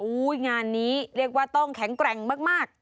งานนี้เรียกว่าต้องแข็งแกร่งมาก